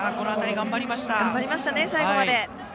頑張りましたね、最後まで。